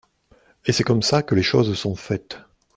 Et c’est comme ça que les choses sont faites.